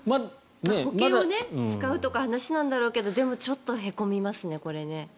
保険を使うとかいう話なんだろうけどでも、ちょっとへこみますねこれね。